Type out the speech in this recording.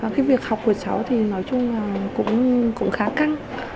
cái việc học của cháu thì nói chung là cũng khá căng